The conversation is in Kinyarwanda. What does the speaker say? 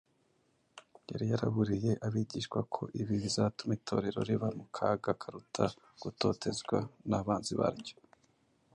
Yari yaraburiye abigishwa ko ibi bizatuma Itorero riba mu kaga karuta gutotezwa n’abanzi baryo.